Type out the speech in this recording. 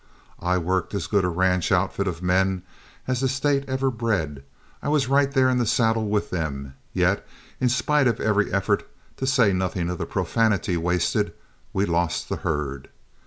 I worked as good a ranch outfit of men as the State ever bred, I was right there in the saddle with them, yet, in spite of every effort, to say nothing of the profanity wasted, we lost the herd.